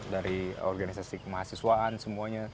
dari organisasi kemahasiswaan semuanya